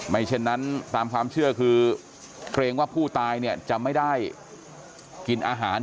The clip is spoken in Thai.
เช่นนั้นตามความเชื่อคือเกรงว่าผู้ตายเนี่ยจะไม่ได้กินอาหาร